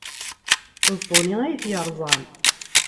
D Tony ay t-yerẓan.